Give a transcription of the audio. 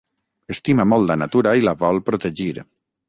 Estima molt la natura i la vol protegir.